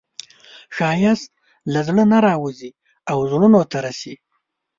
ښایست له زړه نه راوځي او زړونو ته رسي